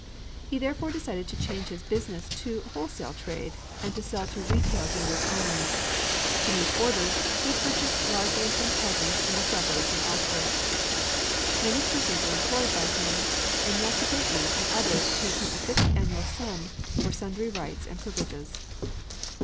He therefore decided to change his business to wholesale trade, and to sell to retail dealers only. To meet orders, he purchased largely from peasants in the suburbs and elsewhere. Many persons were employed by him; and Yasubei and others paid him a fixed annual sum for sundry rights and privileges.